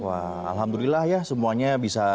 alhamdulillah ya semuanya bisa